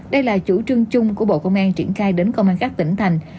đây là chủ trương chung của bộ công an triển khai đến công an các tỉnh thành